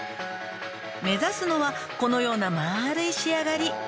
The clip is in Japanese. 「目指すのはこのようなまるい仕上がり」